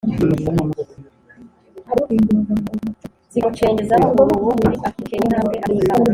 Zikamucengeza mo uruboriAkebura intambwe ajya mu ikawa